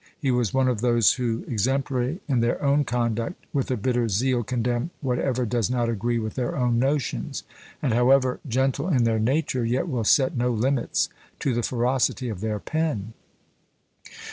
He was one of those who, exemplary in their own conduct, with a bitter zeal condemn whatever does not agree with their own notions; and, however gentle in their nature, yet will set no limits to the ferocity of their pen.